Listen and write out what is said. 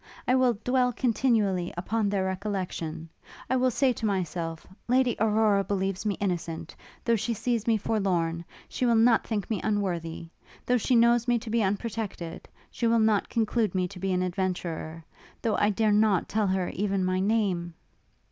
I will dwell continually, upon their recollection; I will say to myself, Lady Aurora believes me innocent, though she sees me forlorn; she will not think me unworthy, though she knows me to be unprotected; she will not conclude me to be an adventurer, though I dare not tell her even my name!'